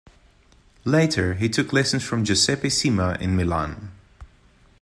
Later, he took lessons from Giuseppe Cima in Milan.